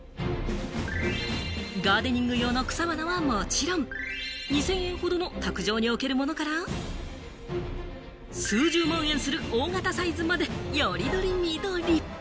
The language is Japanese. ガーデニング用の草花はもちろん、２０００円ほどの卓上に置けるものから、数十万円する大型サイズまで、よりどりみどり。